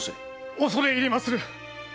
おそれ入りまする。